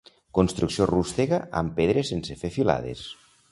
Construcció rústega amb pedres sense fer filades.